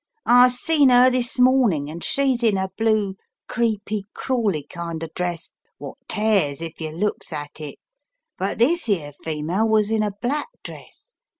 "I seen 'er this morning, and she's in a blue creepy crawly kind of dress wot tears if yer looks at it. But this 'ere female was in a black dress.